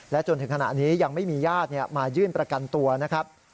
จนถึงขณะนี้ยังไม่มีญาติมายื่นประกันตัวนะครับ